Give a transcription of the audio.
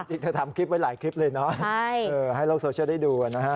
จริงเธอทำคลิปไว้หลายคลิปเลยเนาะให้โลกโซเชียลได้ดูนะฮะ